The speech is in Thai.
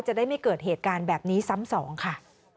จะได้ไม่เกิดเหตุการณ์แบบนี้ซ้ำสองค่ะ